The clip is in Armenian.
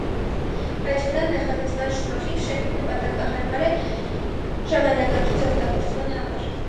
Ռացիոնալ նախագծման շնորհիվ շենքը նպատակահարմար է ժամանակակից օգտագործման համար։